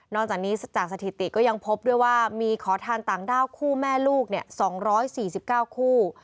จากนี้จากสถิติก็ยังพบด้วยว่ามีขอทานต่างด้าวคู่แม่ลูก๒๔๙คู่